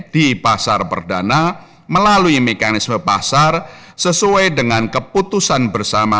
di pasar perdana melalui mekanisme pasar sesuai dengan keputusan bersama